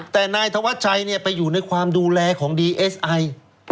แต่นายธวัชชัยไปอยู่ในความดูแลของดีเอสไอ